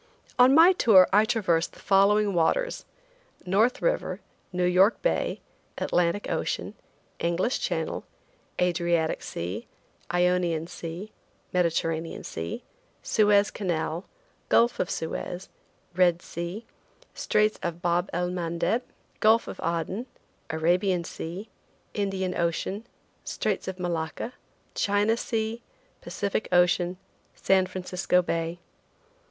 On my tour I traversed the following waters: North River, New York Bay, Atlantic Ocean, English Channel, Adriatic Sea, Ionian Sea, Mediterranean Sea, Suez Canal, Gulf of Suez, Red Sea, Straits of Bab el Mandeb, Gulf of Aden, Arabian Sea, Indian Ocean, Straits of Malacca, China Sea, Pacific Ocean, San Francisco Bay.